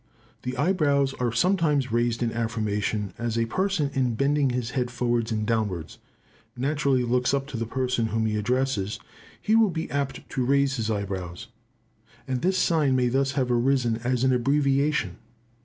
The eyebrows are sometimes raised in affirmation, and as a person in bending his head forwards and downwards naturally looks up to the person whom he addresses, he will be apt to raise his eyebrows, and this sign may thus have arisen as an abbreviation.